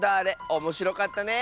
おもしろかったね！